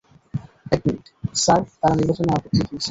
এক minute, sir তারা নির্বাচনে আপত্তি তুলছে।